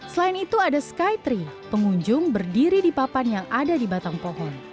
selain itu ada sky tri pengunjung berdiri di papan yang ada di batang pohon